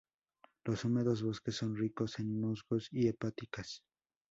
Los húmedos bosques son ricos en musgos y hepáticas.